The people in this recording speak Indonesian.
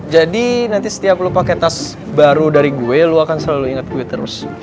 jadi nanti setiap lo pake tas baru dari gue lo akan selalu inget gue terus